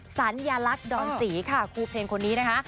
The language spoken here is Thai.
สัญลักษณ์ดอนศรีค่ะครูเพลงคนนี้นะคะ